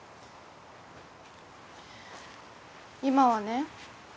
今はね